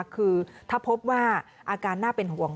คือถ้าพบว่าอาการน่าเป็นห่วง